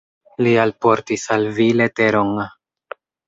Li alportis al vi leteron.